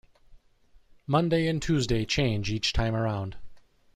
Monday and Tuesday change each time around.